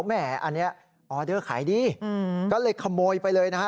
แหมอันนี้ออเดอร์ขายดีก็เลยขโมยไปเลยนะฮะ